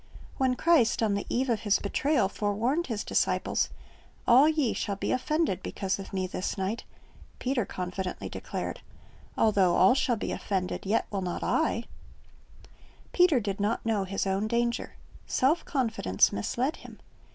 When Christ on the eve of His betrayal forewarned His disciples, "All ye shall be offended because of Me this night," Peter confidently declared, "Although all shall be offended, yet will not L""' Peter did not know his own danger. Self confidence misled him.